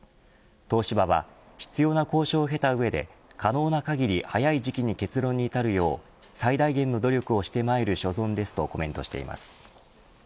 東芝は必要な交渉を経た上で可能な限り早い時期に結論に至るよう最大限の努力をしてまいる所存ですとコメントしています。